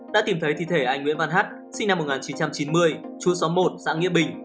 đã tìm thấy thi thể anh nguyễn văn hát sinh năm một nghìn chín trăm chín mươi chú xóm một xã nghĩa bình